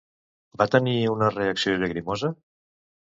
Va tenir una reacció llagrimosa?